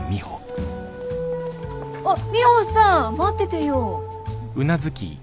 あっミホさん待っててよ。